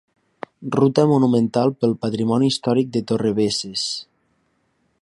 Ruta monumental pel patrimoni històric de Torrebesses.